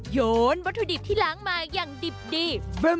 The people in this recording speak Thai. โยนวัตถุดิบที่ล้างมาอย่างดิบดี